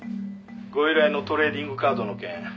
「ご依頼のトレーディングカードの件」